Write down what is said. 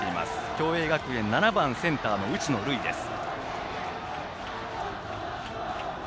共栄学園７番、センター打野琉生です。